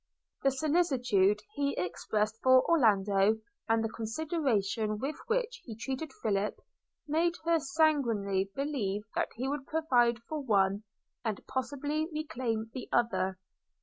The solicitude he expressed for Orlando, and the consideration with which he treated Philip, made her sanguinely believe that he would provide for one, and possibly reclaim the other.